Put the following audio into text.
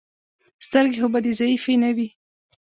سترګې خو به دې ضعیفې نه وي.